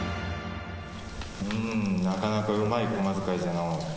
うーん、なかなかうまい駒使いじゃのう。